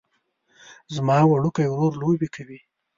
زما وړوکی ورور لوبې کوي